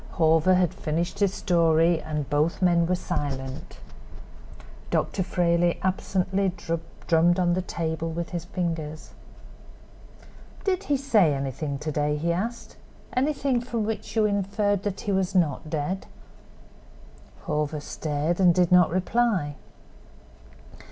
Hawver had finished his story and both men were silent. Dr. Frayley absently drummed on the table with his fingers. "Did he say anything to day?" he asked—"anything from which you inferred that he was not dead?" Hawver stared and did not reply.